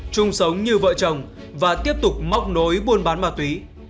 chung sống như vợ chồng và tiếp tục móc nối buôn bán ma túy